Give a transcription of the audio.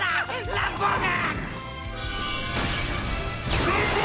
ランボーグ